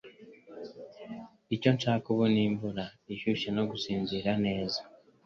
Icyo nshaka ubu ni imvura ishyushye no gusinzira neza